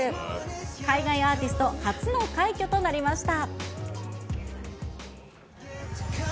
海外アーティスト初の快挙となりました。